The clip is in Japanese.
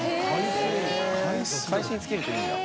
海水につけるといいんだ。